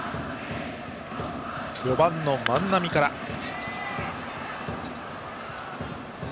４番の万波からの攻撃。